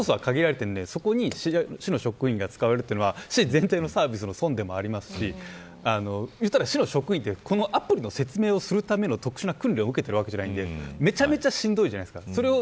リソースが限られているんでそこに市の職員を使おうというのは、市全体のサービスの損にもなりますし市の職員はこのアプリの説明をするための特殊な訓練を受けているわけではないんでめちゃめちゃしんどいじゃないですか。